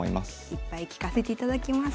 いっぱい聞かせていただきます。